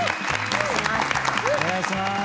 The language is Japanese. お願いします。